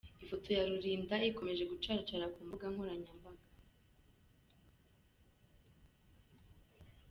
Ifoto ya Rurinda ikomeje gucaracara ku mbuga nkoranya mbaga.